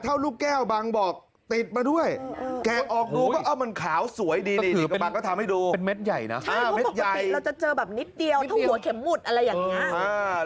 ใช่เพราะปกติเราจะเจอแบบนิดเดียวถ้าหัวเข็มหมุดอะไรอย่างนั้น